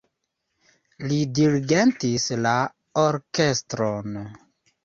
Li dirigentis la orkestron.